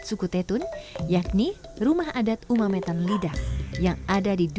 yang memiliki lingkungan dengan bentuk yang sangat menarik